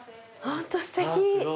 ホントすてき。